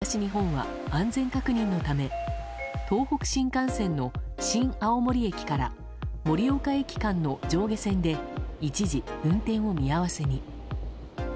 東北地方でもＪＲ東日本が安全確認のため、東北新幹線の新青森駅から盛岡駅間の上下線で一時、運転を見合わせに。